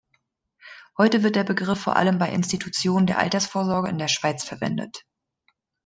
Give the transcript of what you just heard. Heute wird der Begriff vor allem bei Institutionen der Altersvorsorge in der Schweiz verwendet.